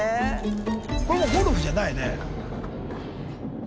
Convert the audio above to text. これもうゴルフじゃないね。